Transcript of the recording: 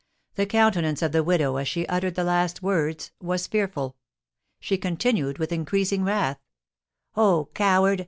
The countenance of the widow as she uttered the last words was fearful. She continued, with increasing wrath: "Oh, coward!